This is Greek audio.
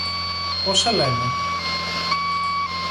Πώς σε λένε;